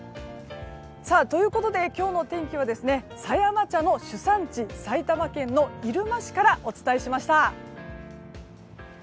今日の天気は狭山茶の主産地埼玉県の入間市からお伝えしました。